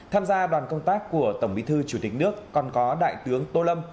tham gia đoàn công tác của tổng bí thư chủ tịch nước còn có đại tướng tô lâm